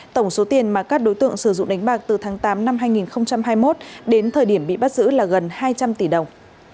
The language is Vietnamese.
tổng số tiền mà các đối tượng sử dụng đánh bạc từ tháng tám năm hai nghìn hai mươi một đến thời điểm bị bắt giữ là gần hai trăm linh tỷ đồng